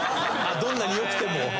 どんなに良くても。